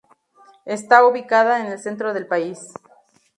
Está ubicada en el centro del país.